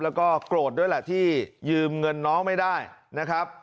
แล้วก็โกรธด้วยแหละที่ยืมเงินน้องไม่ได้นะครับ